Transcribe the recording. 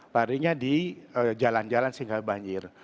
larinya di jalan jalan sehingga banjir